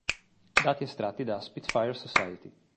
Dati estratti da Spitfire Society